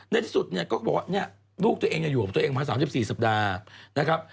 ในที่สุดเนี่ยก็บอกว่าลูกตัวเองอยู่กับตัวเองมา๓๔สัปดาห์นะครับ